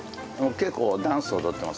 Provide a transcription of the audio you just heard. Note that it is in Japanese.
結構ダンス踊ってます。